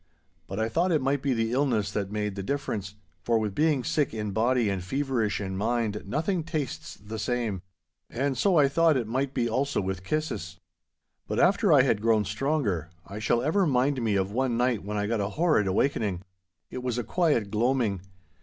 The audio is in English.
But I thought it might be the illness that made the difference, for with being sick in body and feverish in mind, nothing tastes the same. And so I thought it might be also with kisses. But after I had grown stronger, I shall ever mind me of one night when I got a horrid awakening. It was a quiet gloaming.